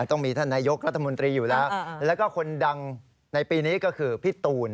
ต้องมีท่านนายกรัฐมนตรีอยู่แล้วแล้วก็คนดังในปีนี้ก็คือพี่ตูน